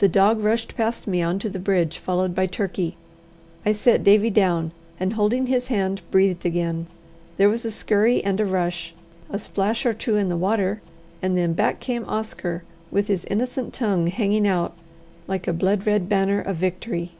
The dog rushed past me on to the bridge, followed by Turkey. I set Davie down, and, holding his hand, breathed again. There was a scurry and a rush, a splash or two in the water, and then back came Oscar with his innocent tongue hanging out like a blood red banner of victory.